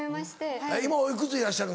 今おいくつでいらっしゃる？